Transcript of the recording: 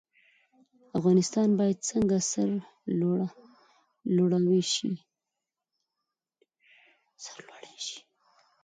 افغانستان باید څنګه سرلوړی شي؟